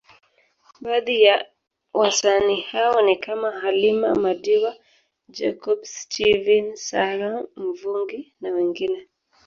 Baadhi ya wasanii hao ni kama Halima madiwa Jacob Steven Sara Mvungi na wengine